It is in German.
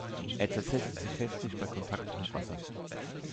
Er zersetzt sich heftig bei Kontakt mit Wasser.